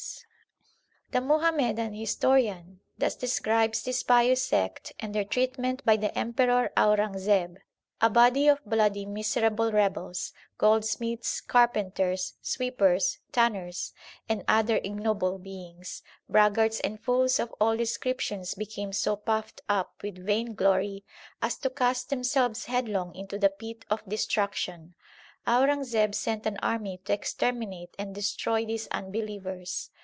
l 1 H. H. Wilson s Religion of the Hindus. xlviii THE SIKH RELIGION The Muhammadan historian thus describes this pious sect and their treatment by the Emperor Aurangzeb : A body of bloody miserable rebels, goldsmiths, carpenters, sweepers, tanners, and other ignoble beings, braggarts and fools of all descriptions became so puffed up with vain glory as to cast themselves headlong into the pit of de struction. Aurangzeb sent an army to exterminate and destroy these unbelievers.